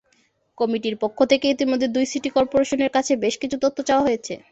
কমিটির পক্ষ থেকে ইতিমধ্যে দুই সিটি করপোরেশনের কাছে বেশ কিছু তথ্য চাওয়া হয়েছে।